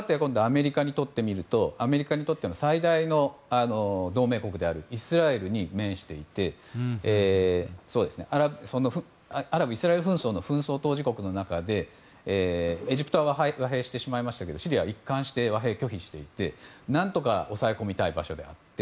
また、アメリカにとっては最大の同盟国であるイスラエルに面していてアラブ、イスラエル紛争の紛争当事国の中でエジプトは和平してしまいましたがシリアは一貫して和平、拒否していて何とか抑え込みたい場所であって。